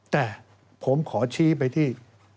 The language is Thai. แต่ผมขอชี้ไปที่